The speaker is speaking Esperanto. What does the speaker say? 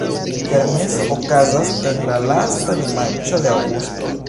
Kermeso okazas en la lasta dimanĉo de aŭgusto.